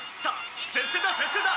「接戦だ接戦だ！